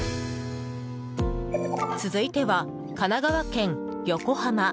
続いては、神奈川・横浜。